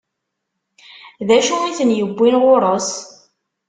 D acu i ten-iwwin ɣur-s?